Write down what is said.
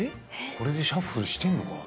これでシャッフルしてんのかな？